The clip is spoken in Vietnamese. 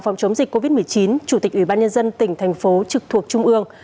phòng chống dịch covid một mươi chín chủ tịch ủy ban nhân dân tỉnh thành phố trực thuộc trung ương